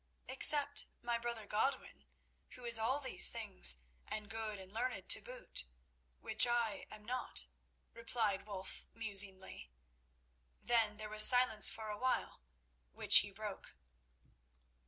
"Except my brother Godwin, who is all these things, and good and learned to boot, which I am not," replied Wulf musingly. Then there was silence for a while, which he broke.